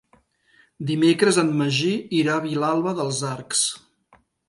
Dimecres en Magí irà a Vilalba dels Arcs.